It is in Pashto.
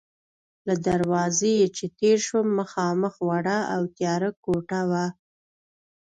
له دروازې چې تېر شوم، مخامخ وړه او تیاره کوټه وه.